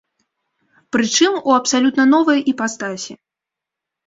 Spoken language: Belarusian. Прычым у абсалютна новай іпастасі.